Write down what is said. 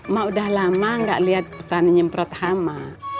mak udah lama gak liat petani nyemprot hama